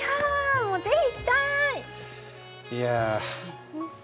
もう、ぜひ行きたい！